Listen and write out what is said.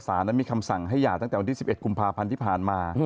นั้นมีคำสั่งให้หย่าตั้งแต่วันที่๑๑กุมภาพันธ์ที่ผ่านมา